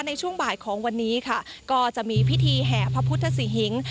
ในช่วงบ่ายของวันนี้ค่ะก็จะมีพิธีแห่พระพุทธศรีหิง